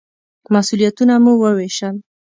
مسوولیتونه مو ووېشل.